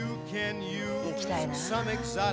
行きたいな。